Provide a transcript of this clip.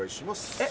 えっ？